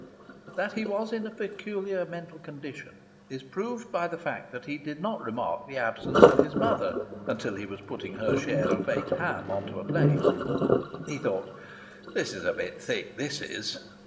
That he was in a peculiar mental condition is proved by the fact that he did not remark the absence of his mother until he was putting her share of baked ham on to a plate. He thought: "This is a bit thick, this is!"